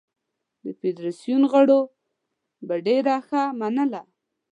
د فدراسیون غړو به ډېره ښه منله.